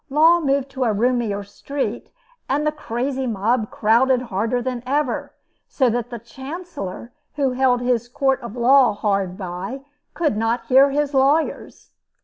Law moved to a roomier street, and the crazy mob crowded harder than ever; so that the Chancellor, who held his court of law hard by, could not hear his lawyers.